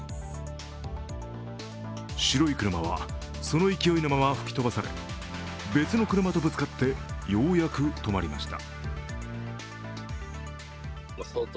白い車はその勢いのまま吹き飛ばされ、別の車とぶつかって、ようやく止まりました。